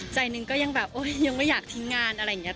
ใจหนึ่งก็ยังแบบยังไม่อยากทิ้งงานอะไรอย่างนี้